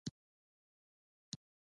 غواړم چې خپل تجارت اصفهان ته هم وغځوم.